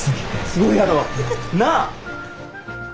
すごいやろ。なあ。